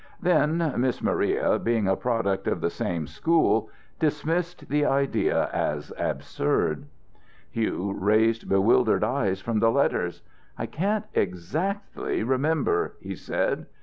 Then Miss Maria, being a product of the same school, dismissed the idea as absurd. Hugh raised bewildered eyes from the letters. "I can't exactly remember," he said.